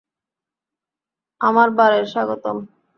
আমার বারে স্বাগতম।